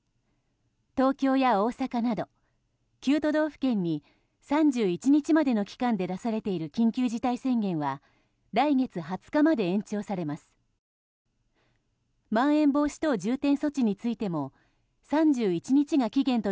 東京や大阪など９都道府県に３１日までの期間で出されている緊急事態宣言は来月２０日まで延長されます。